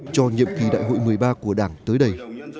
cho nhiệm kỳ đại hội một mươi ba của đảng tới đây